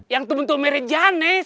yang untuk untuk mereja nih